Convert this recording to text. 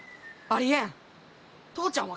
ありえん！